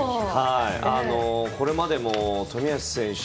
これまでも冨安選手